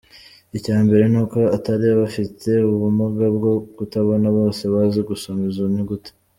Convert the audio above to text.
Icya mbere n’uko atari abafite ubumuga bwo kutabona bose bazi gusoma izo nyuguti.